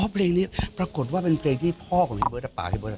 อ๋อเพลงนี้ปรากฏว่าเป็นเพลงที่พ่อของพี่เบิร์ตฟัง